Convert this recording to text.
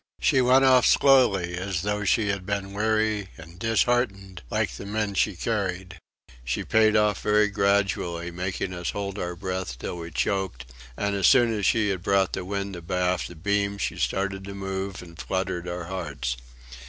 She went off slowly as though she had been weary and disheartened like the men she carried. She paid off very gradually, making us hold our breath till we choked, and as soon as she had brought the wind abaft the beam she started to move, and fluttered our hearts.